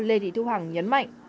lê thị thu hằng nhấn mạnh